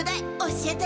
教えて！